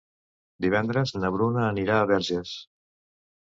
Divendres na Bruna anirà a Verges.